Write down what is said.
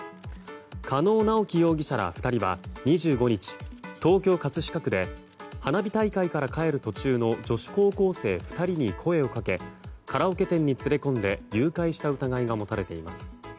加納直樹容疑者ら２人は２５日、東京・葛飾区で花火大会から帰る途中の女子高校生２人に声をかけカラオケ店に連れ込んで誘拐した疑いが持たれています。